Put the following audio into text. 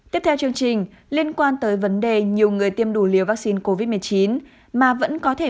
tiếp theo chương trình liên quan tới vấn đề nhiều người tiêm đủ liều vaccine covid một mươi chín mà vẫn có thể